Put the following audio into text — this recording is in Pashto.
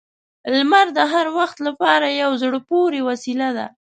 • لمر د هر وخت لپاره یو زړه پورې وسیله ده.